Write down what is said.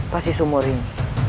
pasti sumur ini